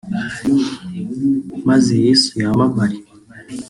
maze Yesu yamamare